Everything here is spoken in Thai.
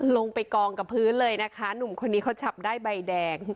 ลงไปกองกับพื้นเลยนะคะหนุ่มคนนี้เขาจับได้ใบแดง